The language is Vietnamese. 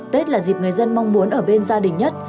tết là dịp người dân mong muốn ở bên gia đình nhất